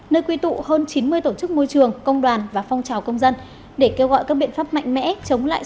nơi quy tụ hơn chín mươi tổ chức môi trường công đoàn và phong trào công dân để kêu gọi các biện pháp mạnh mẽ chống lại sự nóng lên toàn cầu